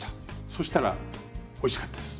そうしたらおいしかったです。